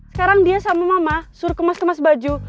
sekarang dia sama mama suruh kemas kemas baju